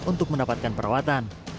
untuk mendapatkan perawatan